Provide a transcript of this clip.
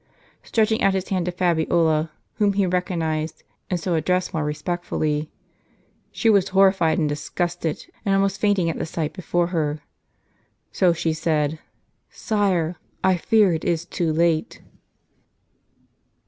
— stretching out his hand to Fabiola, whom he recognized, and so addressed more respectfully. She was horrified and disgusted, and almost fainting at the sight befoi'e her; so she said, "Sire, I fear it is too late